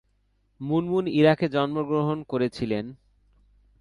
মুনমুন ইরাকে জন্মগ্রহণ করেছিলেন।